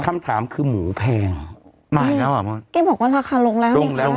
คำถามคือหมูแพงหมายแล้วเหรอแกบอกว่าฮะค่ะลงแล้วลงแล้ว